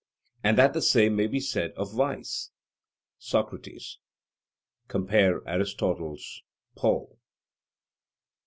And the same may be said of vice, Socrates (Compare Arist. Pol.).